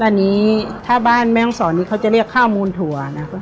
แล้วอันนี้ถ้าบ้านแม่งสอนนี้เขาจะเรียกข้าวมูลถั่วนะครับ